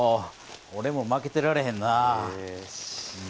おれも負けてられへんな。